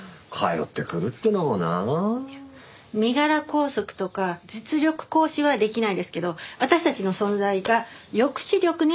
身柄拘束とか実力行使はできないですけど私たちの存在が抑止力にはなるはずです。